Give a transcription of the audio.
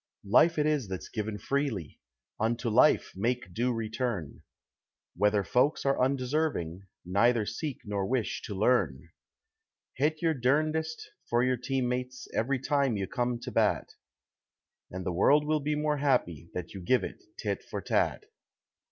Life it is that's given freely. Unto life make due return. Whether folks are undeserving, neither seek nor wish to learn. Hit your dernedest for your teammates every time you come to bat, And the world will be more happy that you give it tit for tat.